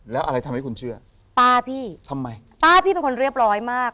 แล้วอะไรทำให้คุณเชื่อป้าพี่ทำไมป้าพี่เป็นคนเรียบร้อยมาก